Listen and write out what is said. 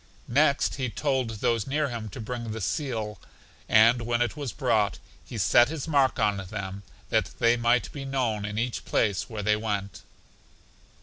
Next he told those near him to bring the seal, and when it was brought he set his mark on them that they might be known in each place where they went.